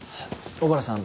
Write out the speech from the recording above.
小原さん